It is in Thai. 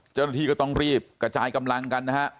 เจ้าหน้าที่ก็ต้องรีบกระจายกำลังกันนะฮะ